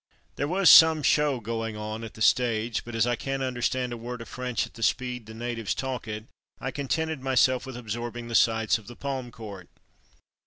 There was some show going on on the stage, but as I can't understand a word of French at the speed the natives talk it I contented myself with absorbing the sights of the palm court.